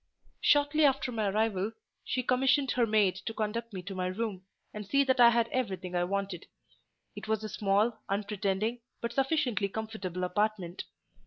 Shortly after my arrival, she commissioned her maid to conduct me to my room and see that I had everything I wanted; it was a small, unpretending, but sufficiently comfortable apartment.